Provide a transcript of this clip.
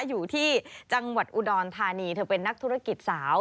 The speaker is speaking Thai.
อยู่ที่จังหวัดอุดรธานีเธอเป็นนักธุรกิจสาว